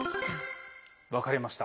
分かれました。